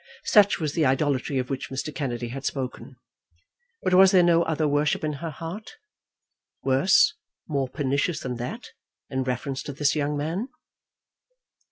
Such was the idolatry of which Mr. Kennedy had spoken; but was there no other worship in her heart, worse, more pernicious than that, in reference to this young man?